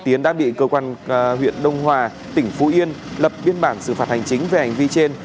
tiến đã bị cơ quan huyện đông hòa tỉnh phú yên lập biên bản xử phạt hành chính về hành vi trên